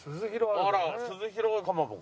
あら鈴廣かまぼこ。